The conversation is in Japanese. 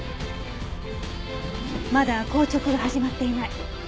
まだ硬直が始まっていない。